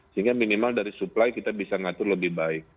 sehingga minimal dari supply kita bisa ngatur lebih baik